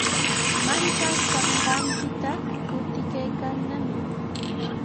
Manchakanqaapita kutikaykaanami.